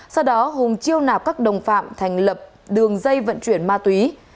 sau đó hùng chiêu nạp các đồng phạm thành lập đường dây vận chuyển ma túy